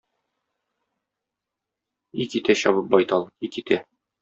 И китә чабып, байтал, и китә!